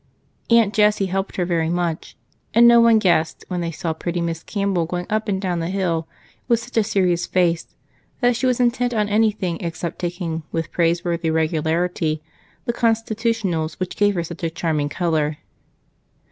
Aunt Jessie helped her very much, and no one guessed, when they saw pretty Miss Campbell going up and down the hill with such a serious face, that she was intent upon anything except taking, with praiseworthy regularity, the constitutionals which gave her such a charming color.